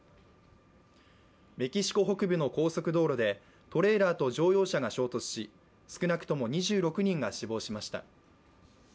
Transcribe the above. メキシコ北部の高速道路でトレーラーと乗用車が衝突し、少なくとも２６人が死亡しました。